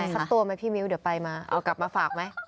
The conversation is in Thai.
สักตัวไหมพี่มิ้วเดี๋ยวไปมาเอากลับมาฝากไหม